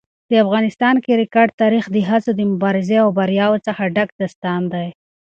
د افغانستان کرکټ تاریخ د هڅو، مبارزې او بریاوو څخه ډک داستان دی.